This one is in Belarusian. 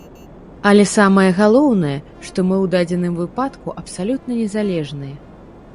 Але самае галоўнае, што мы ў дадзеным выпадку абсалютна незалежныя.